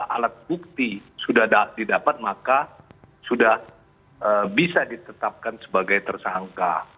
alat bukti sudah didapat maka sudah bisa ditetapkan sebagai tersangka